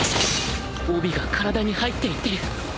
帯が体に入っていってる